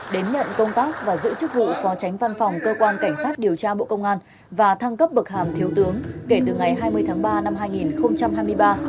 đến nhận công tác và giữ chức vụ phó tránh văn phòng cơ quan cảnh sát điều tra bộ công an và thăng cấp bậc hàm thiếu tướng kể từ ngày hai mươi tháng ba năm hai nghìn hai mươi ba